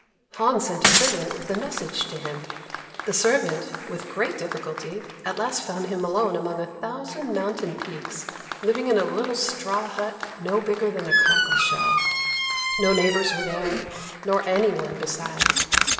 Han sent a servant with a message to him. The servant, with great difficulty, at last found him alone among a thousand mountain peaks, living in a little straw hut no bigger than a cockle shell. No neighbours were there, nor any one beside.